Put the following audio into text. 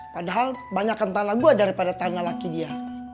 padahal banyakkan tanah gua daripada tanah laki dia